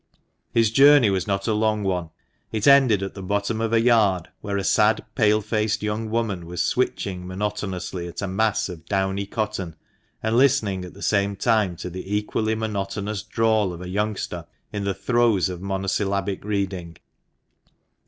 His journey was not a long one. It ended at the bottom of a yard where a sad, pale faced young woman was switching monotonously at a mass of downy cotton, and listening at the same time to the equally monotonous drawl of a youngster in the throes of monosyllabic reading.